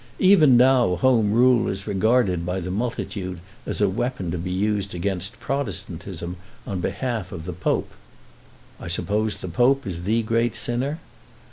Even now Home Rule is regarded by the multitude as a weapon to be used against Protestantism on behalf of the Pope." "I suppose the Pope is the great sinner?"